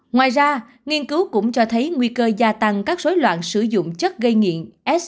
ngoài ra nghiên cứu cũng cho thấy nguy cơ gia tăng các rối loạn sử dụng chất gây nghiện